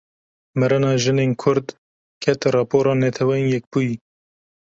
Mirina jinên Kurd, ket rapora Neteweyên Yekbûyî